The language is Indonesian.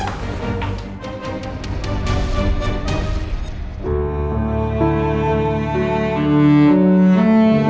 canggun dipexcimasi dulu